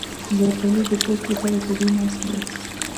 زردالو د پوست لپاره طبیعي ماسک دی.